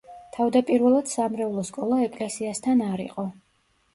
თავდაპირველად სამრევლო სკოლა ეკლესიასთან არ იყო.